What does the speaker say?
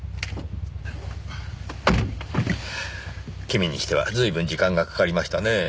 君にしては随分時間がかかりましたねえ。